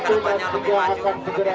kuda lemba pasti yang diatur